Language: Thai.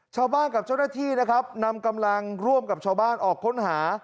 ชาวบ้านกับเจ้าหน้าที่นะครับนำกำลังร่วมกับชาวบ้านออกค้นหา